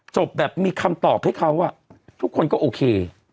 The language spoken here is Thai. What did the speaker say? จบแบบมีคำตอบให้เขาทุกคนก็โอเค